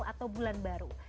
atau bulan baru